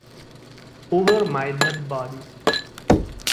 Over My Dead Body